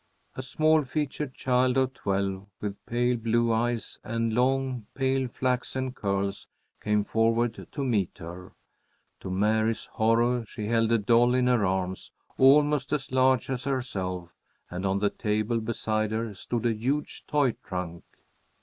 A small featured child of twelve, with pale blue eyes and long, pale flaxen curls, came forward to meet her. To Mary's horror, she held a doll in her arms almost as large as herself, and on the table beside her stood a huge toy trunk.